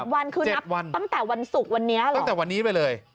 วันคือนับวันตั้งแต่วันศุกร์วันนี้เลยตั้งแต่วันนี้ไปเลย